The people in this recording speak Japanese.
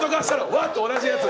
ワッ！と同じやつ。